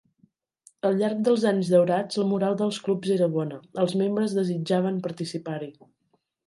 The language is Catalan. Al llarg dels anys daurats, la moral dels clubs era bona, els membres desitjaven participar-hi.